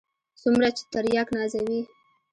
څومره چې ترياک نازوي.